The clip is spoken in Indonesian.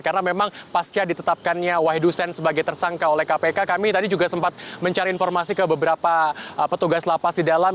karena memang pasca ditetapkannya wahidusen sebagai tersangka oleh kpk kami tadi juga sempat mencari informasi ke beberapa petugas lapas di dalam